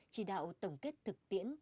chỉ đạo tổng kết thực tiễn